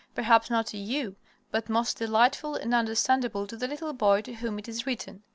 Perhaps not to you, but most delightful and understandable to the little boy to whom it is written.